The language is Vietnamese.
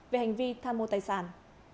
về hành vi tham mô tài sản